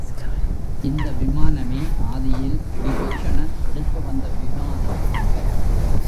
இந்த விமானமே ஆதியில் விபீஷணன் எடுத்து வந்த விமானம் என்பர்.